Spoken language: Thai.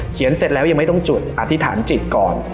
เสร็จแล้วยังไม่ต้องจุดอธิษฐานจิตก่อน